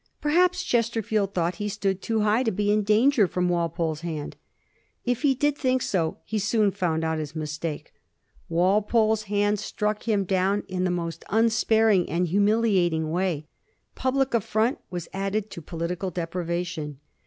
Perhaps Chester field thought he stood too high to be in danger from Wal pole's hand. If he did think so he soon found out his mistake. Walpole's hand struck him down in the most unsparing and humiliating way. Public affront was add ed to political deprivation.